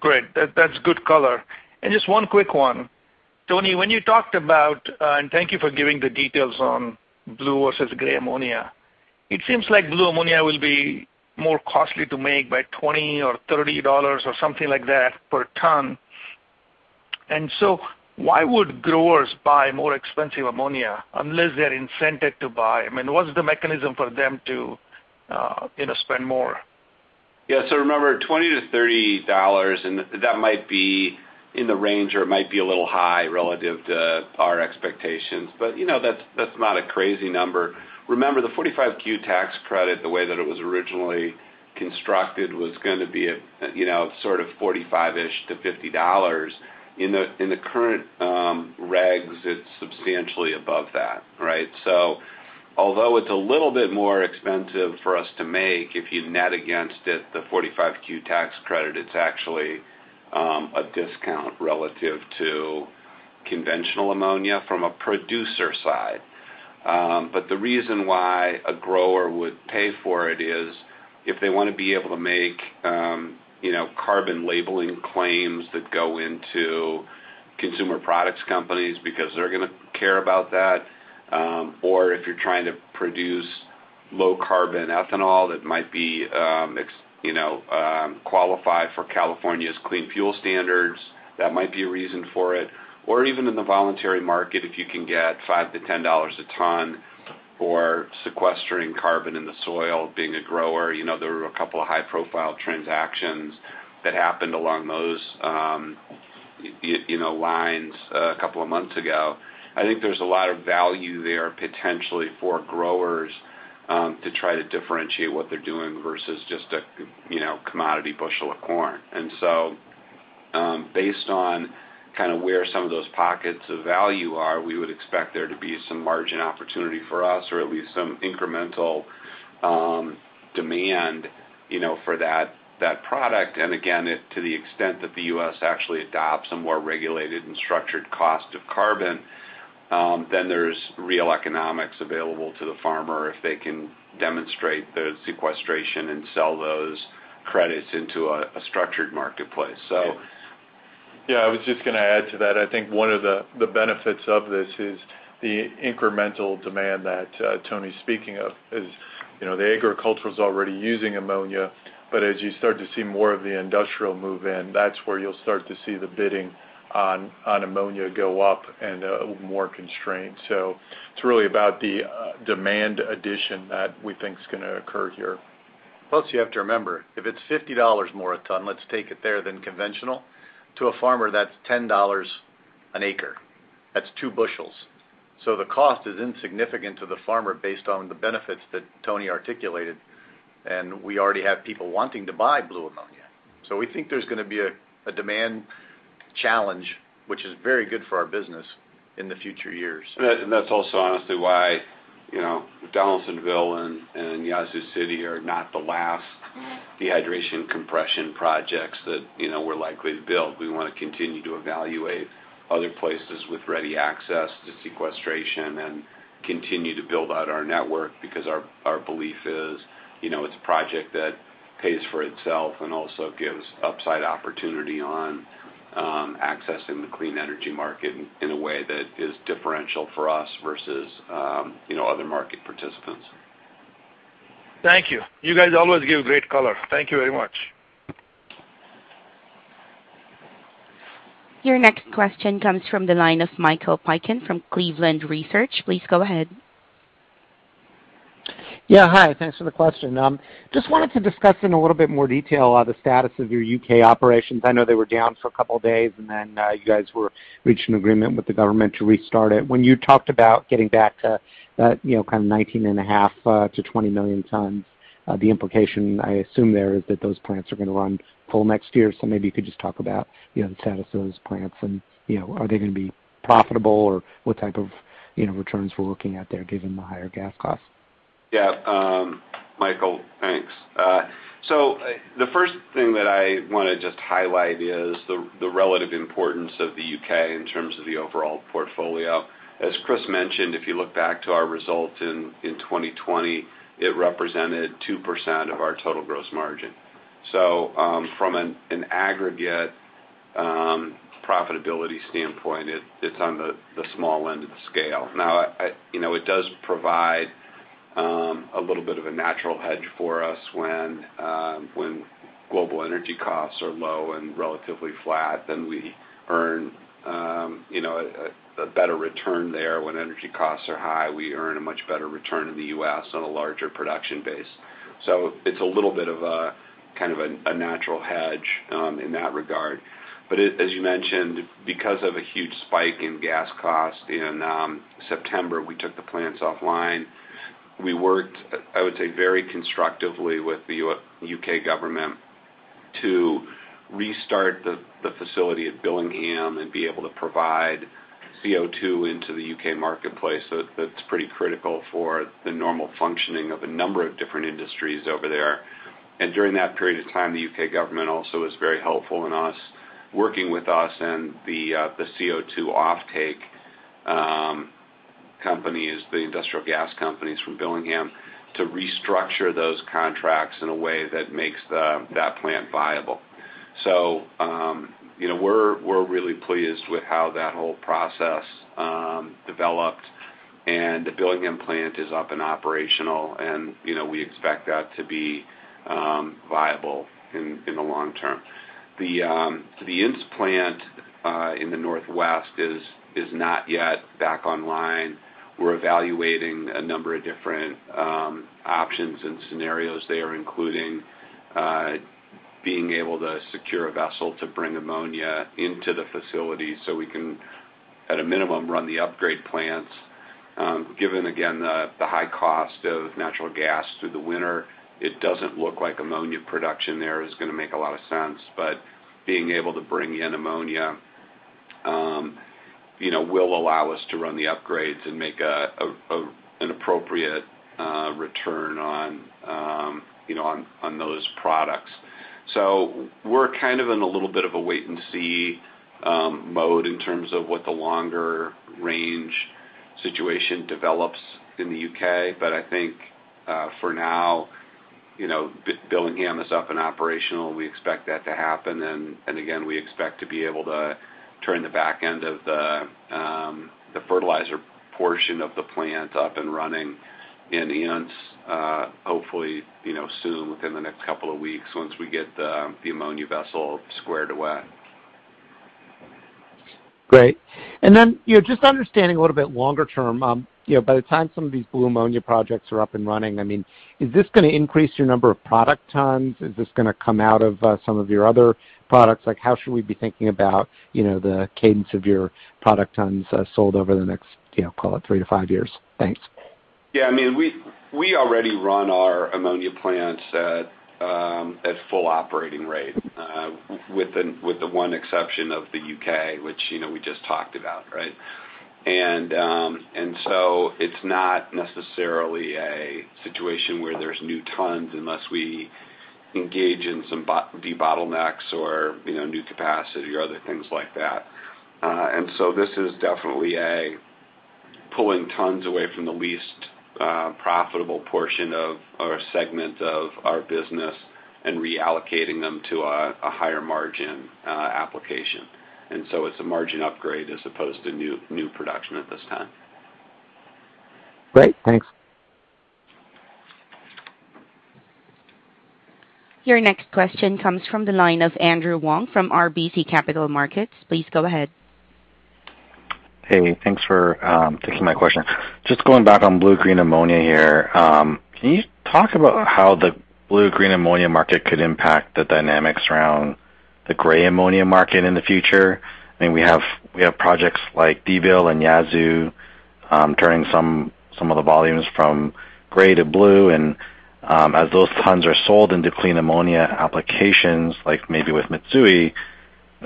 Great. That's good color. Just one quick one. Tony, when you talked about, and thank you for giving the details on blue versus gray ammonia, it seems like blue ammonia will be more costly to make by $20 or $30 or something like that per ton. Why would growers buy more expensive ammonia unless they're incented to buy? I mean, what is the mechanism for them to, you know, spend more? Yeah. Remember, $20-$30, and that might be in the range or it might be a little high relative to our expectations. You know, that's not a crazy number. Remember, the 45Q tax credit, the way that it was originally constructed, was gonna be a you know, sort of $45-ish to $50. In the current regs, it's substantially above that, right? Although it's a little bit more expensive for us to make, if you net against it, the 45Q tax credit, it's actually a discount relative to conventional ammonia from a producer side. The reason why a grower would pay for it is if they wanna be able to make you know, carbon labeling claims that go into consumer products companies because they're gonna care about that. Or if you're trying to produce low carbon ethanol, that might qualify for California's Low Carbon Fuel Standard, that might be a reason for it. Or even in the voluntary market, if you can get $5-$10 a ton for sequestering carbon in the soil, being a grower, you know, there were a couple of high-profile transactions that happened along those lines a couple of months ago. I think there's a lot of value there, potentially for growers, to try to differentiate what they're doing versus just a commodity bushel of corn. Based on kinda where some of those pockets of value are, we would expect there to be some margin opportunity for us or at least some incremental demand, you know, for that product. To the extent that the U.S. actually adopts a more regulated and structured cost of carbon, then there's real economics available to the farmer if they can demonstrate the sequestration and sell those credits into a structured marketplace. Yeah, I was just gonna add to that. I think one of the benefits of this is the incremental demand that Tony's speaking of is, you know, agriculture's already using ammonia, but as you start to see more of the industrial move in, that's where you'll start to see the bidding on ammonia go up and more constrained. It's really about the demand addition that we think is gonna occur here. Plus, you have to remember, if it's $50 more a ton, let's take it there than conventional. To a farmer, that's $10 an acre. That's two bushels. The cost is insignificant to the farmer based on the benefits that Tony articulated, and we already have people wanting to buy blue ammonia. We think there's gonna be a demand challenge, which is very good for our business in the future years. That's also honestly why, you know, Donaldsonville and Yazoo City are not the last dehydration compression projects that, you know, we're likely to build. We wanna continue to evaluate other places with ready access to sequestration and continue to build out our network because our belief is, you know, it's a project that pays for itself and also gives upside opportunity on accessing the clean energy market in a way that is differential for us versus other market participants. Thank you. You guys always give great color. Thank you very much. Your next question comes from the line of Michael Piken from Cleveland Research. Please go ahead. Yeah, hi. Thanks for the question. Just wanted to discuss in a little bit more detail the status of your U.K. operations. I know they were down for a couple of days, and then you guys reached an agreement with the government to restart it. When you talked about getting back to, you know, kind of 19.5 million to 20 million tons, the implication I assume there is that those plants are gonna run full next year. Maybe you could just talk about, you know, the status of those plants and, you know, are they gonna be profitable or what type of, you know, returns we're looking at there, given the higher gas costs? Yeah. Michael, thanks. The first thing that I wanna just highlight is the relative importance of the U.K. in terms of the overall portfolio. As Chris mentioned, if you look back to our results in 2020, it represented 2% of our total gross margin. From an aggregate profitability standpoint, it's on the small end of the scale. Now, you know, it does provide a little bit of a natural hedge for us when global energy costs are low and relatively flat, then we earn you know a better return there. When energy costs are high, we earn a much better return in the U.S. on a larger production base. It's a little bit of a kind of natural hedge in that regard. As you mentioned, because of a huge spike in gas costs in September, we took the plants offline. We worked, I would say, very constructively with the U.K. government to restart the facility at Billingham and be able to provide CO2 into the U.K. marketplace. That's pretty critical for the normal functioning of a number of different industries over there. During that period of time, the U.K. government also was very helpful in us working with us and the CO2 offtake companies, the industrial gas companies from Billingham, to restructure those contracts in a way that makes that plant viable. You know, we're really pleased with how that whole process developed. The Billingham plant is up and operational and, you know, we expect that to be viable in the long term. The Ince plant in the Northwest is not yet back online. We're evaluating a number of different options and scenarios there, including being able to secure a vessel to bring ammonia into the facility so we can, at a minimum, run the upgrade plants. Given again the high cost of natural gas through the winter, it doesn't look like ammonia production there is gonna make a lot of sense. Being able to bring in ammonia, you know, will allow us to run the upgrades and make an appropriate return on, you know, on those products. We're kind of in a little bit of a wait and see mode in terms of what the longer range situation develops in the U.K. I think, for now, you know, Billingham is up and operational. We expect that to happen. Again, we expect to be able to turn the back end of the fertilizer portion of the plant up and running in Ince, hopefully, you know, soon within the next couple of weeks once we get the ammonia vessel squared away. Great. Then, you know, just understanding a little bit longer term, you know, by the time some of these blue ammonia projects are up and running, I mean, is this gonna increase your number of product tons? Is this gonna come out of, some of your other products? Like, how should we be thinking about, you know, the cadence of your product tons, sold over the next, you know, call it 3-5 years? Thanks. Yeah. I mean, we already run our ammonia plants at full operating rate with the one exception of the U.K., which, you know, we just talked about, right? It's not necessarily a situation where there's new tons unless we engage in some debottlenecks or, you know, new capacity or other things like that. This is definitely pulling tons away from the least profitable portion of our segment of our business and reallocating them to a higher margin application. It's a margin upgrade as opposed to new production at this time. Great. Thanks. Your next question comes from the line of Andrew Wong from RBC Capital Markets. Please go ahead. Hey, thanks for taking my question. Just going back on blue green ammonia here. Can you talk about how the blue green ammonia market could impact the dynamics around the gray ammonia market in the future? I mean, we have projects like Donaldsonville and Yazoo turning some of the volumes from gray to blue. As those tons are sold into clean ammonia applications, like maybe with Mitsui,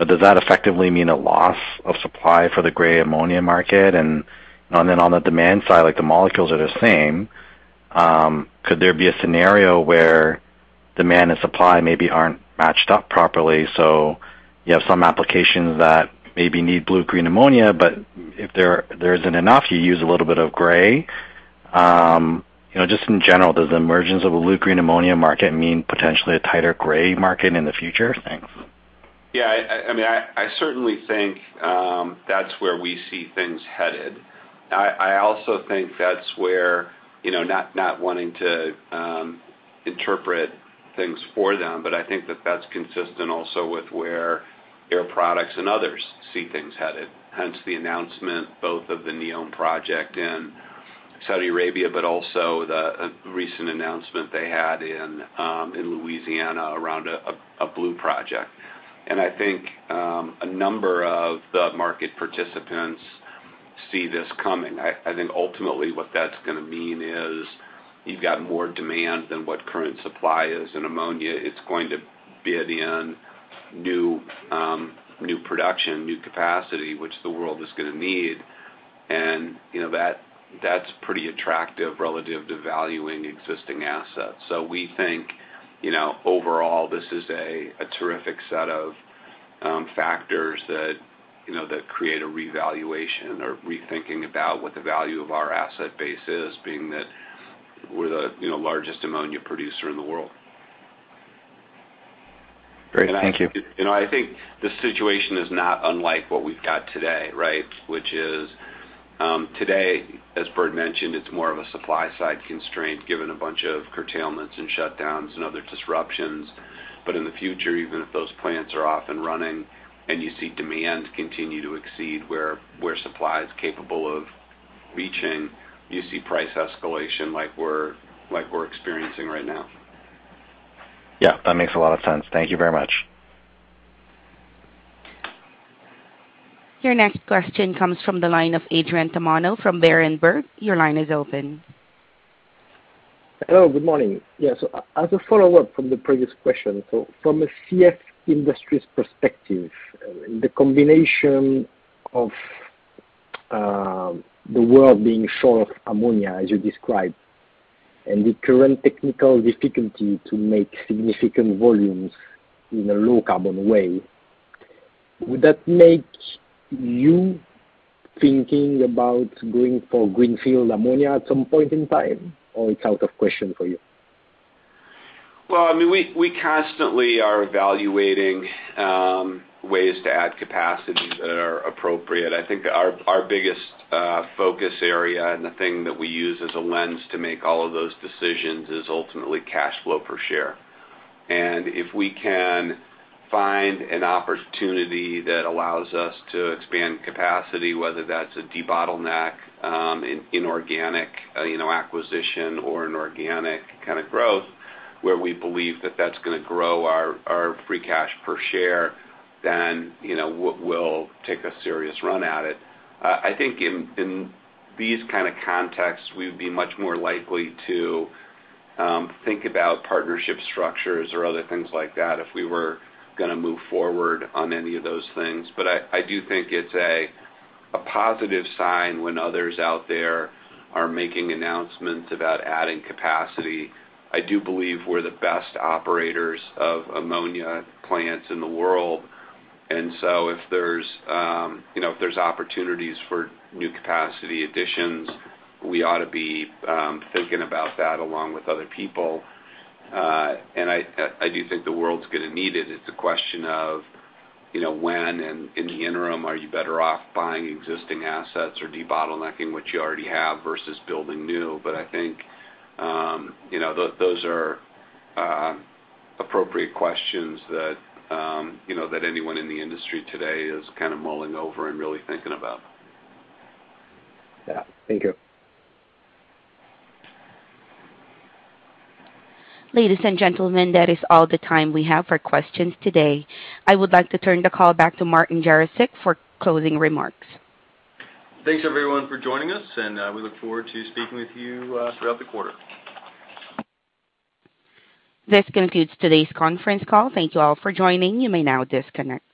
does that effectively mean a loss of supply for the gray ammonia market? Then on the demand side, like the molecules are the same, could there be a scenario where demand and supply maybe aren't matched up properly, so you have some applications that maybe need blue green ammonia, but if there isn't enough, you use a little bit of gray? You know, just in general, does the emergence of a blue green ammonia market mean potentially a tighter gray market in the future? Thanks. Yeah. I mean, I certainly think that's where we see things headed. I also think that's where, you know, not wanting to interpret things for them, but I think that's consistent also with where Air Products and others see things headed, hence the announcement both of the NEOM project in Saudi Arabia, but also the recent announcement they had in Louisiana around a blue project. I think a number of the market participants see this coming. I think ultimately what that's gonna mean is you've got more demand than what current supply is in ammonia. It's going to be, at the end, new production, new capacity, which the world is gonna need. You know, that's pretty attractive relative to valuing existing assets. We think, you know, overall this is a terrific set of factors that, you know, that create a revaluation or rethinking about what the value of our asset base is, being that we're the, you know, largest ammonia producer in the world. Great. Thank you. You know, I think the situation is not unlike what we've got today, right? Which is, today, as Bert mentioned, it's more of a supply side constraint given a bunch of curtailments and shutdowns and other disruptions. In the future, even if those plants are off and running and you see demand continue to exceed where supply is capable of reaching, you see price escalation like we're experiencing right now. Yeah. That makes a lot of sense. Thank you very much. Your next question comes from the line of Adrien Tamagno from Berenberg. Your line is open. Hello. Good morning. Yes. As a follow-up from the previous question. From a CF Industries perspective, the combination of the world being short of ammonia as you described, and the current technical difficulty to make significant volumes in a low carbon way. Would that make you thinking about going for greenfield ammonia at some point in time, or it's out of question for you? Well, I mean, we constantly are evaluating ways to add capacities that are appropriate. I think our biggest focus area and the thing that we use as a lens to make all of those decisions is ultimately cash flow per share. If we can find an opportunity that allows us to expand capacity, whether that's a debottleneck, an inorganic, you know, acquisition or inorganic kind of growth, where we believe that that's gonna grow our free cash per share, then, you know, we'll take a serious run at it. I think in these kind of contexts, we'd be much more likely to think about partnership structures or other things like that if we were gonna move forward on any of those things. I do think it's a positive sign when others out there are making announcements about adding capacity. I do believe we're the best operators of ammonia plants in the world. If there's you know opportunities for new capacity additions, we ought to be thinking about that along with other people. I do think the world's gonna need it. It's a question of you know when and in the interim, are you better off buying existing assets or debottlenecking what you already have versus building new? I think you know those are appropriate questions that you know that anyone in the industry today is kind of mulling over and really thinking about. Yeah, thank you. Ladies and gentlemen, that is all the time we have for questions today. I would like to turn the call back to Martin Jarosick for closing remarks. Thanks everyone for joining us, and we look forward to speaking with you throughout the quarter. This concludes today's conference call. Thank you all for joining. You may now disconnect.